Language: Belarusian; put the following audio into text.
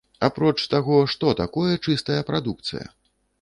Апроч таго, што такое чыстая прадукцыя?